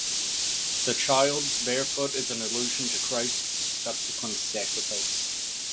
The child’s bare foot is an allusion to Christ’s subsequent sacrifice.